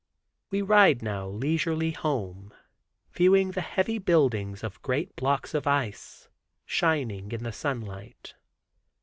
We ride now leisurely home, viewing the heavy buildings of great blocks of ice, shining in the sunlight.